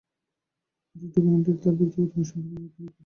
তাঁর এই ডকুমেন্টারি সেই ব্যক্তিগত অনুসন্ধানযাত্রারই ইতিবৃত্ত।